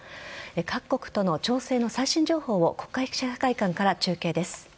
各国との調整の最新情報を国会記者会館から中継です。